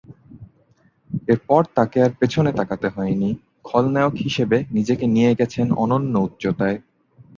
এরপর তাকে আর পেছনে তাকাতে হয়নি, খলনায়ক হিসেবে নিজেকে নিয়ে গেছেন অন্যন্য উচ্চতায়।